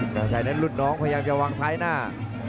กระชายนั้นหลุดน้องพยายามจะวางซ้ายหน้า